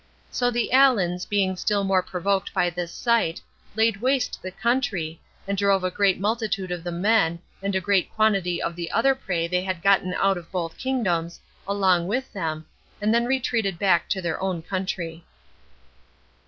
So the Alans, being still more provoked by this sight, laid waste the country, and drove a great multitude of the men, and a great quantity of the other prey they had gotten out of both kingdoms, along with them, and then retreated back to their own country.